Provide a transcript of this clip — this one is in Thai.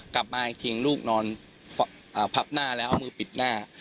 กลับมาอีกทีลูกนอนพับหน้าแล้วเอามือปิดหน้า